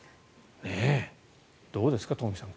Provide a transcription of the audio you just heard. どうですか、東輝さん